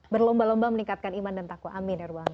berlomba lomba meningkatkan iman dan takwa amin ya ruwan